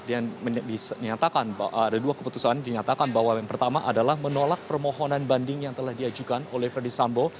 yang dinyatakan ada dua keputusan dinyatakan bahwa yang pertama adalah menolak permohonan banding yang telah diajukan oleh ferdisambo